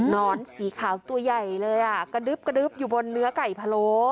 นอนสีขาวตัวใหญ่เลยอ่ะกระดึ๊บกระดึ๊บอยู่บนเนื้อไก่พะโล